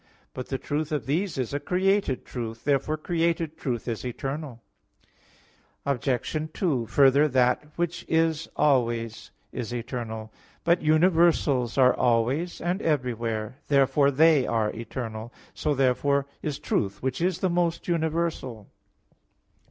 But the truth of these is a created truth. Therefore created truth is eternal. Obj. 2: Further, that which is always, is eternal. But universals are always and everywhere; therefore they are eternal. So therefore is truth, which is the most universal.